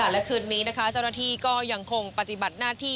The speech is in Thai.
และคืนนี้นะคะเจ้าหน้าที่ก็ยังคงปฏิบัติหน้าที่